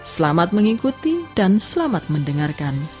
selamat mengikuti dan selamat mendengarkan